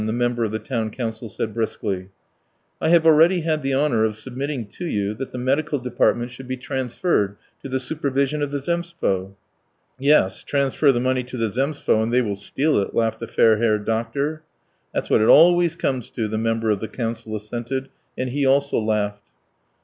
the member of the town council said briskly. "I have already had the honour of submitting to you that the medical department should be transferred to the supervision of the Zemstvo." "Yes, transfer the money to the Zemstvo and they will steal it," laughed the fair haired doctor. "That's what it always comes to," the member of the council assented, and he also laughed.